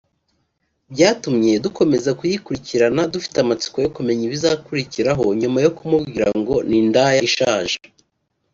Byatumye dukomeza kuyikurikirana dufite amatsiko yo kumenya ibizakurikiraho nyuma yo kumubwira ngo ‘Ni indaya ishaje